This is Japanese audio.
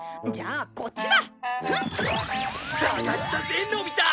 「捜したぜのび太！」